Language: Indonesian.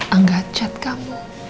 anggah chat kamu